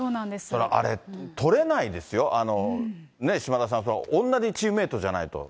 あれ、捕れないですよ、島田さん、同じチームメートじゃないと。